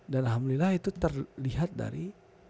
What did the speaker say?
dan alhamdulillah itu terlihat dari